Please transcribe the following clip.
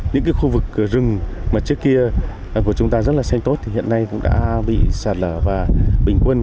những khu vực rừng trước kia của chúng ta rất là xanh tốt hiện nay cũng đã bị sạt lở và bình quân